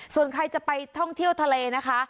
ส่วนใครจะไปท่องเที่ยวทะเลนะคะ